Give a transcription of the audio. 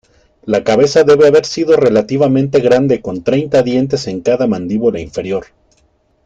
La cabeza debe haber sido relativamente grande con treinta dientes en cada mandíbula inferior.